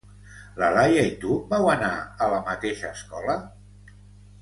La Laia i tu vau anar a la mateixa escola?